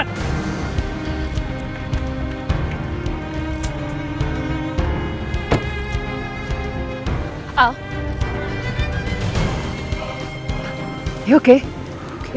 dan mama saya juga rencana